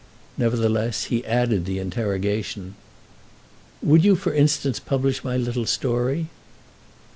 Nevertheless be added the interrogation: "Would you for instance publish my little story?"